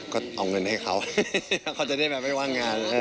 ก็เอาเงินให้เขาเขาจะได้แบบให้ว่างงาน